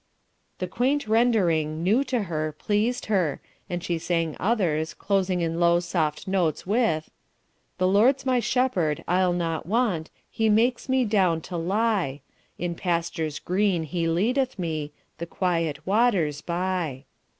The quaint rendering new to her pleased her, and she sang others, closing in low, soft notes, with: "The Lord's my Shepherd, I'll not want, He makes me down to lie; In pastures green he leadeth me The quiet waters by."